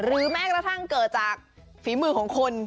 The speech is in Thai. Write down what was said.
แม้กระทั่งเกิดจากฝีมือของคน